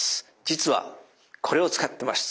実はこれを使ってます。